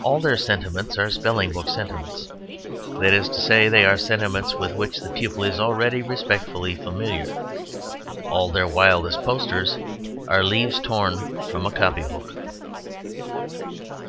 All their sentiments are spelling book sentiments that is to say, they are sentiments with which the pupil is already respectfully familiar. All their wildest posters are leaves torn from a copy book.